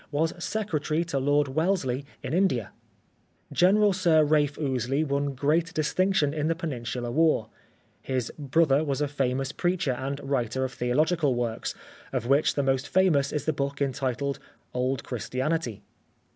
8 The Life of Oscar Wilde secretary to Lord Wellesley in India. General Sir Ralph Ouseley won great distinction in the Peninsular War. His brother was a famous preacher and writer of theological works, of which the most famous is the book entitled " Old Christianity."